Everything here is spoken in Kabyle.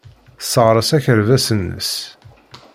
Tesseɣres akerbas-nnes.